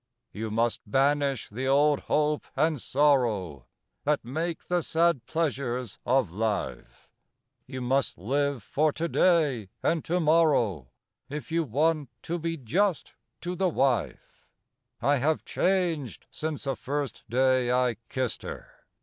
You must banish the old hope and sorrow That make the sad pleasures of life, You must live for To day and To morrow If you want to be just to the wife. I have changed since the first day I kissed her.